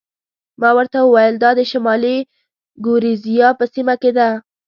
ما ورته وویل: دا د شمالي ګوریزیا په سیمه کې ده.